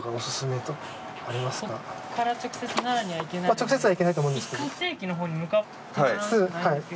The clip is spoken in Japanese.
直接は行けないと思うんですけど。